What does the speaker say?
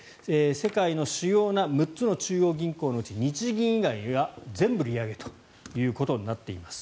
世界の主要な６つの中央銀行のうち日銀以外は全部利上げということになっています。